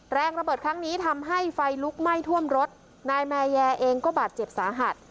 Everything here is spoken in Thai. แรงระเบิดครั้งนี้ทำให้ไฟลุกไหม้ท่วมรถนายแมแยเองก็บาดเจ็บสาหัส